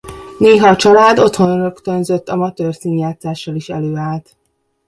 Néha a család otthon rögtönzött amatőr színjátszással is előállt.